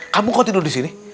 kamu kok tidur disini